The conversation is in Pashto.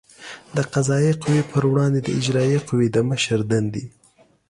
د قضایه قوې پر وړاندې د اجرایه قوې د مشر دندې